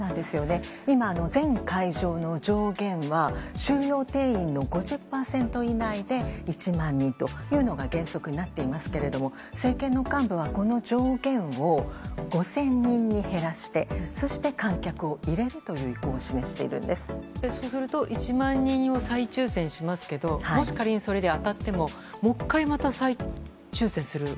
今、全会場の上限は収容定員の５０％以内で１万人というのが原則になっていますが政権幹部はこの上限を５０００人に減らして観客を入れるというそうすると１万人は再抽選しますけどもし仮にそれで当たってももう１回、再抽選する？